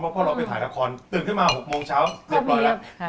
เพราะว่าพ่อเราไปถ่ายละครตื่นขึ้นมา๖โมงเช้าเต็บปล่อยแล้ว